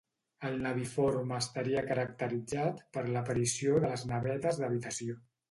El naviforme estaria caracteritzat per l'aparició de les navetes d'habitació.